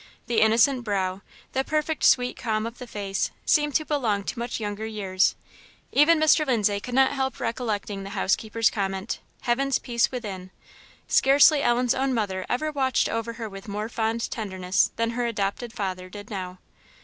The innocent brow, the perfect sweet calm of the face, seemed to belong to much younger years. Even Mr. Lindsay could not help recollecting the housekeeper's comment "Heaven's peace within;" scarcely Ellen's own mother ever watched over her with more fond tenderness than her adopted father did now.